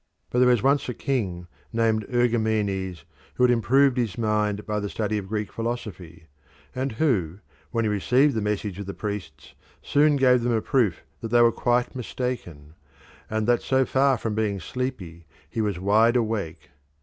But there was once a king named Ergamenes who had improved his mind by the study of Greek philosophy, and who, when he received the message of the priests, soon gave them a proof that they were quite mistaken, and that so far from being sleepy he was wide awake.